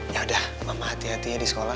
ya udah mama hati hatinya di sekolah